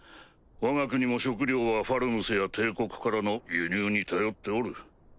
わが国も食糧はファルムスや帝国からの輸入に頼っておる。